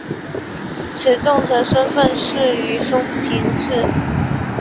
以重臣身份仕于松平氏。